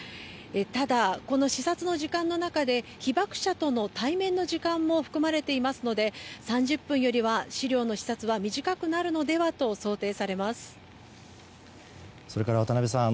ただ、この視察の時間の中で被爆者との対面の時間も含まれていますので３０分よりは資料の視察は短くなるのではとそれから、渡辺さん。